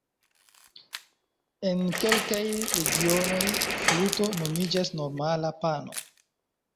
En kelkaj regionoj 'fluto' nomiĝas normala 'pano'.